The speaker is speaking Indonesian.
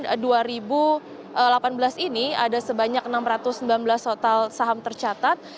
pada dua ribu delapan belas ini ada sebanyak enam ratus sembilan belas total saham tercatat